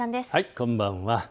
こんばんは。